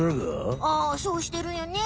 ああそうしてるよね。